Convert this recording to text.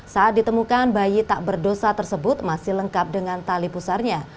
saat ditemukan bayi tak berdosa tersebut masih lengkap dengan tali pusarnya